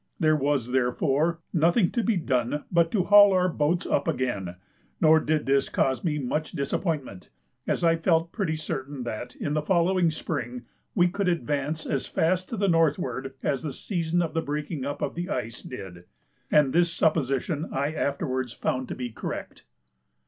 There was, therefore, nothing to be done but to haul our boats up again; nor did this cause me much disappointment, as I felt pretty certain that, in the following spring, we could advance as fast to the northward as the season of the breaking up of the ice did; and this supposition I afterwards found to be correct.